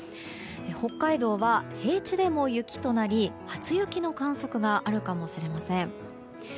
北海道は平地でも雪となり初雪の観測があるかもしれません。